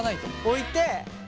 置いて。